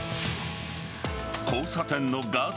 交差点のガード